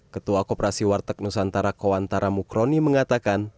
ketua koperasi warteg nusantara kowantara mukroni mengatakan